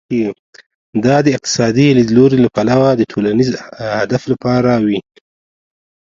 دا د اقتصادي لیدلوري له پلوه د ټولنیز هدف لپاره وي.